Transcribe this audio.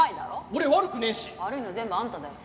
俺悪くねえし！悪いのは全部あんただよ。